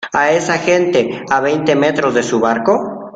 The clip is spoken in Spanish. a esa gente a veinte metros de su barco?